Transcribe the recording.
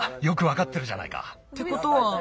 よくわかってるじゃないか。ってことは。